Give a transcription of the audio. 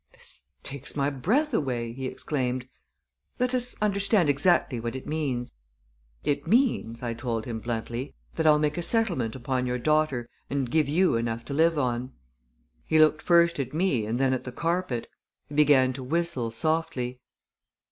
"This takes my breath away!" he exclaimed. "Let us understand exactly what it means." "It means," I told him bluntly, "that I'll make a settlement upon your daughter and give you enough to live on." He looked first at me and then at the carpet. He began to whistle softly.